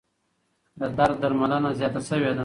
د درد درملنه زیاته شوې ده.